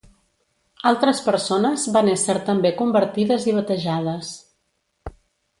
Altres persones van ésser també convertides i batejades.